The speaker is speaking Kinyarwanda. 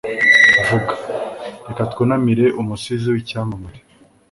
vuga Reka twunamire umusizi w'icyamamare